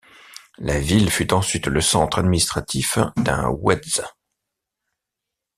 La ville fut ensuite le centre administratif d'un ouiezd.